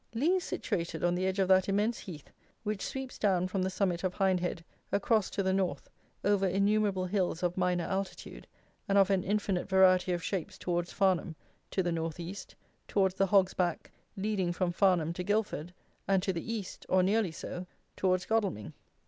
Lea is situated on the edge of that immense heath which sweeps down from the summit of Hindhead across to the north over innumerable hills of minor altitude and of an infinite variety of shapes towards Farnham, to the north east, towards the Hog's Back, leading from Farnham to Guildford, and to the east, or nearly so, towards Godalming.